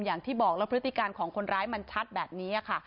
อย่างที่บอกแล้วพฤติการของคนร้ายมันชัดแบบนี้ค่ะ